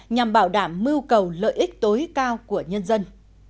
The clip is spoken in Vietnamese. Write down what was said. nhằm bảo đảm mưu cầu lợi ích tối cao của nhân dân